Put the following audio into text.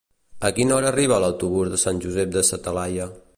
A quina hora arriba l'autobús de Sant Josep de sa Talaia?